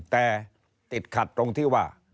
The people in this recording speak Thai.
แต่ติดขัดตรงที่ว่า